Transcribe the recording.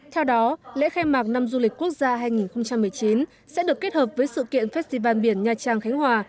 theo đó lễ khai mạc năm du lịch quốc gia hai nghìn một mươi chín sẽ được kết hợp với sự kiện festival biển nha trang khánh hòa